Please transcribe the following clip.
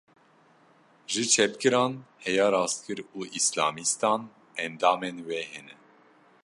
Ji çepgiran heya rastgir û Îslamîstan, endamên wê hene